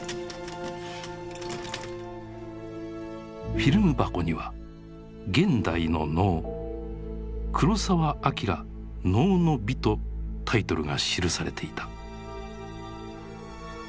フィルム箱には「現代の能」「黒澤明能の美」とタイトルが記されていた。